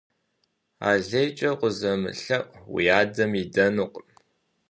Алейкӏэ укъызэмылъэӏу, уи адэм идэнукъым.